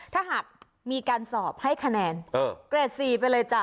ถ้าหากมีการสอบให้คะแนนเกรด๔ไปเลยจ้ะ